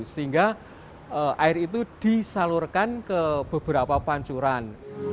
sehingga air itu disalurkan ke beberapa pancuran